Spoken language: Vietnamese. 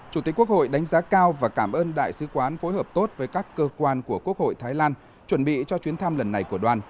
chủ tịch quốc hội đánh giá cao và cảm ơn đại sứ quán phối hợp tốt với các cơ quan của quốc hội thái lan chuẩn bị cho chuyến thăm lần này của đoàn